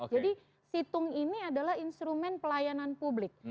jadi situng ini adalah instrumen pelayanan publik